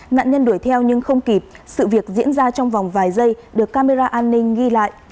nạn nhân đuổi theo nhưng không kịp sự việc diễn ra trong vòng vài giây được camera an ninh ghi lại